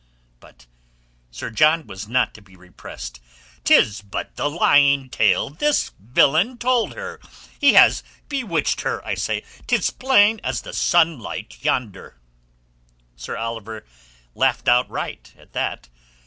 But Sir John was not to be repressed. "'Tis but the lying tale this villain told her. He has bewitched her, I say. 'Tis plain as the sunlight yonder." Sir Oliver laughed outright at that.